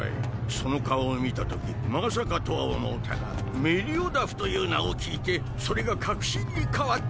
その顔を見たときまさかとは思うたがメリオダフという名を聞いてそれが確信に変わった。